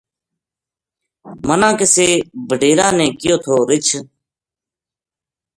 منا کسے بڈیرا نے کہیو تھو رِچھ